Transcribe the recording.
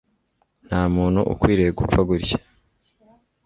Ntamuntu ukwiriye gupfa gutya